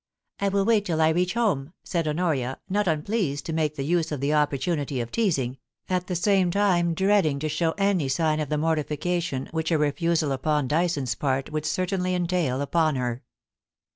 * I will wait till I reach home,' said Honoria, not unpleascd to make use of the opportunity of teasing, at the same time dreading to show any sign of the mortification which a refusal upon Dyson's part would certainly entail upon her.